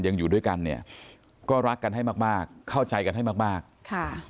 ยังอยู่ด้วยกันเนี่ยก็รักกันให้มากมากเข้าใจกันให้มากมากค่ะ